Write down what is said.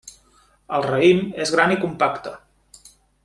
El raïm és gran i compacte.